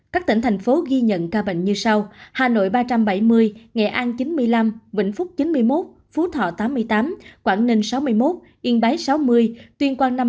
các tỉnh thành phố ghi nhận ca bệnh như sau